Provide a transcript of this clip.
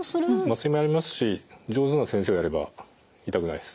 麻酔もやりますし上手な先生がやれば痛くないです。